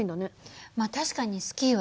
まあ確かにスキーはね